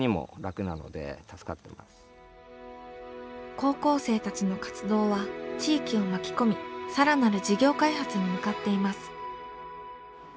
高校生たちの活動は地域を巻き込み更なる事業開発に向かっています。